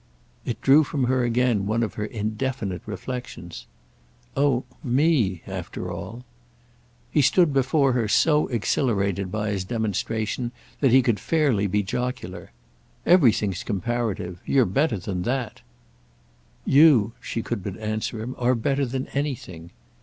It drew from her again one of her indefinite reflexions. "Oh 'me'—after all!" He stood before her so exhilarated by his demonstration that he could fairly be jocular. "Everything's comparative. You're better than that." "You"—she could but answer him—"are better than anything."